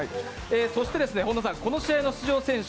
そして本田さん、この試合の出場選手